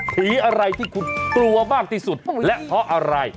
ผีอะไรที่คุณกลัวมากที่สุดและเพราะอะไร